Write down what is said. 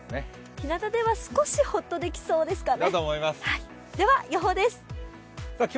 ひなたでは少しほっとできそうですかね。